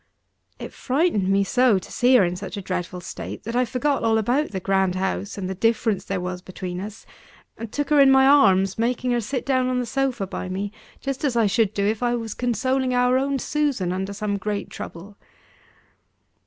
It frightened me so, to see her in such a dreadful state, that I forgot all about the grand house, and the difference there was between us; and took her in my arms, making her sit down on the sofa by me just as I should do, if I was consoling our own Susan under some great trouble.